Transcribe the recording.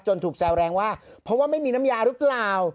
ถูกแซวแรงว่าเพราะว่าไม่มีน้ำยาหรือเปล่า